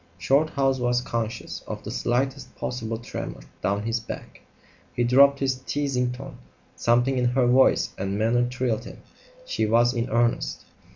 Shorthouse was conscious of the slightest possible tremor down his back. He dropped his teasing tone. Something in her voice and manner thrilled him. She was in earnest.